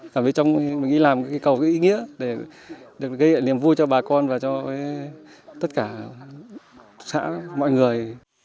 chúng tôi nghĩ làm cầu có ý nghĩa để gây lại niềm vui cho bà con và cho tất cả xã mọi người